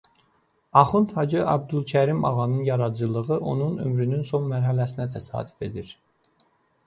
Axund Hacı Əbdülkərim Ağanın yaradıcılığı onun ömrünün son mərhələsinə təsadüf edir.